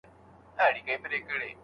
د ميرمني او بسترې رازونه ساتل.